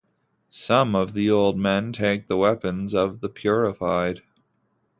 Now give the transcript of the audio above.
Some of the old men take the weapons of the purified.